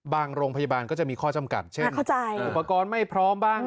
โรงพยาบาลก็จะมีข้อจำกัดเช่นอุปกรณ์ไม่พร้อมบ้าง